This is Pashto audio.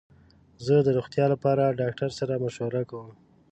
زه د روغتیا لپاره ډاکټر سره مشوره کوم.